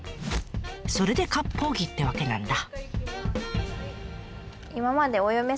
それで割烹着ってわけなんだ。